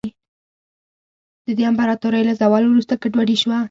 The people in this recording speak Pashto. د دې امپراتورۍ له زوال وروسته ګډوډي شوه.